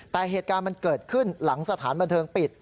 แต่เหตุการณ์มันเกิดขึ้นหลังสถานบันเทิงปิด